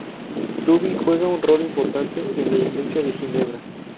Duby juega un rol importante en la Iglesia de Ginebra.